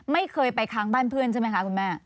ไม่เคยไปค้างบ้านเพื่อนใช่ไหมคะคุณแม่